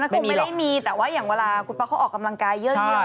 คงไม่ได้มีแต่ว่าอย่างเวลาคุณป๊อกเขาออกกำลังกายเยอะ